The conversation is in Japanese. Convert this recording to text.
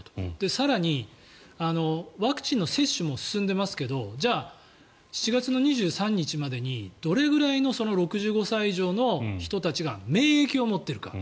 更に、ワクチンの接種も進んでますけどじゃあ、７月２３日までにどれくらいの６５歳以上の人たちが免疫を持っているか。